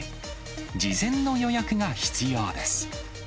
事前の予約が必要です。